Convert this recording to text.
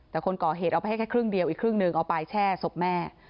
แต่คนก่อเหตุเอาไปให้แค่ครึ่งเดียวอีกครึ่งหนึ่งเอาไปแช่ศพแม่